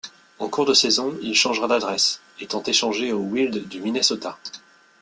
En cours de saison, il changera d'adresse, étant échangé au Wild du Minnesota.